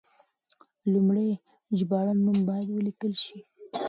د لومړي ژباړن نوم باید ولیکل شي.